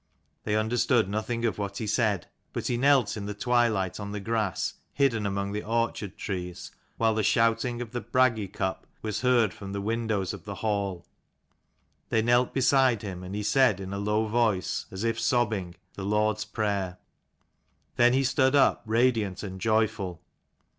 " They understood nothing of what he said: but he knelt in the twilight on the grass, hidden among the orchard trees, while the shouting of the Bragi cup was heard from the windows of the hall. They knelt beside him, and he said in a low voice, and as if sobbing, the Lord's Prayer. Then he stood up radiant and joyful.